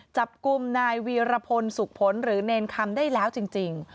จับกลุ่มนายวีรพลสุขผลหรือเนรคำได้แล้วจริง